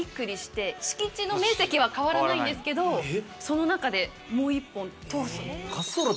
敷地の面積は変わらないんですけどその中でもう１本通す。